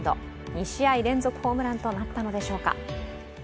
２試合連続のホームランとなったのでしょうか。